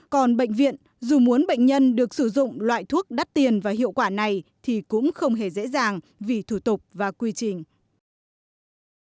còn bệnh viện dù muốn bệnh nhân được sử dụng loại thuốc đắt tiền và hiệu quả này thì cũng không hề dễ dàng vì thủ tục và quy trình